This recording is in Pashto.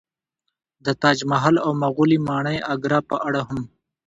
د تاج محل او مغولي ماڼۍ اګره په اړه هم